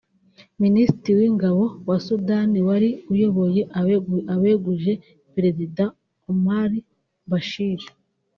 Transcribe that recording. Minisitiri w’Ingabo wa Sudani wari uyoboye abeguje Perezida Omar al-Bashir